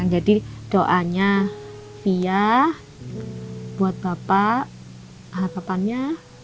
jadi doanya fia buat bapak harapannya